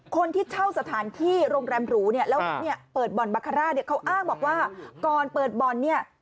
คนที่เช่าสถานที่โรงแรมหรูเนี่ย